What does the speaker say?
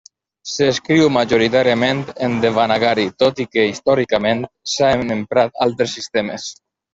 S'escriu majoritàriament en devanagari tot i que històricament s'han emprat altres sistemes.